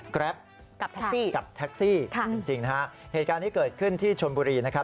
แกรปกับแท็กซี่จริงนะฮะเหตุการณ์ที่เกิดขึ้นที่ชนบุรีนะครับ